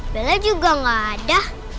bella juga gak ada